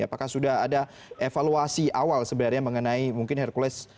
apakah sudah ada evaluasi awal sebenarnya mengenai mungkin hercules